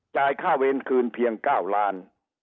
จ่ายค่าเวรคืนเพียง๙ล้าน